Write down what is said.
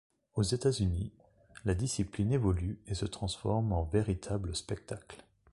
Aux États-Unis, la discipline évolue et se transforme en véritable spectacle.